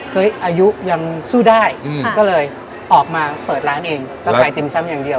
อายุยังสู้ได้ก็เลยออกมาเปิดร้านเองก็ขายติ่มซ้ำอย่างเดียว